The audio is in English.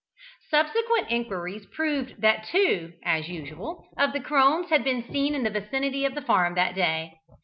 Subsequent inquiries proved that two (as usual) of the crones had been seen in the vicinity of the farm that day.